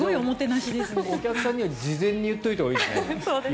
お客さんには事前に言っておいたほうがいいですね。